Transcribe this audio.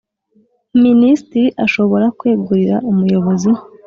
Minisitiri ashobora kwegurira Umuyobozi